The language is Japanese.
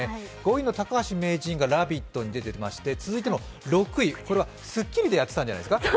５位の高橋名人が「ラヴィット！」に出ていて、次の６位は「スッキリ！！」でやってたんじゃないですか？